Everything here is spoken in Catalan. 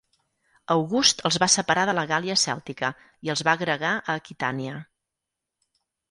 August els va separar de la Gàl·lia Cèltica i els va agregar a Aquitània.